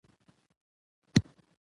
د ازادۍ اتل ته د زړه له کومې سلام.